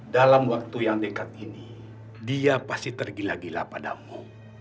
dalam waktu yang dekat ini dia pasti tergila gila padamu